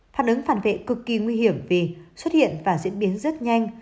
phản ứng phản vệ cực kỳ nguy hiểm vì xuất hiện và diễn biến rất nhanh